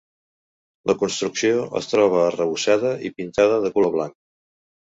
La construcció es troba arrebossada i pintada de color blanc.